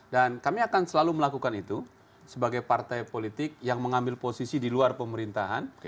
dan kami akan selalu melakukan itu sebagai partai politik yang mengambil posisi di luar pemerintahan